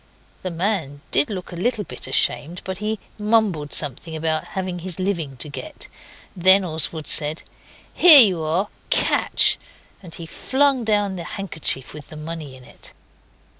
The man did look a little bit ashamed, but he mumbled something about having his living to get. Then Oswald said 'Here you are. Catch!' and he flung down the handkerchief with the money in it.